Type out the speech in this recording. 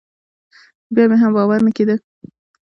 بيا مې هم باور نه کېده.